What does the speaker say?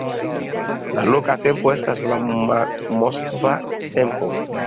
La loka tempo estas la moskva tempo.